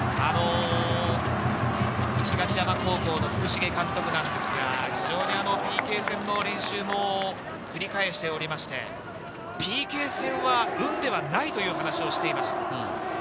東山高校の福重監督なんですが、非常にＰＫ戦の練習も繰り返しておりまして、ＰＫ戦は運ではないという話をしていました。